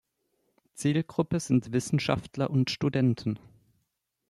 Zielgruppe sind Wissenschaftler und Studenten.